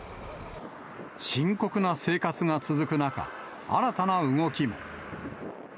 深刻な生活が続く中、新たな動きも。